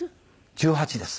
１８です。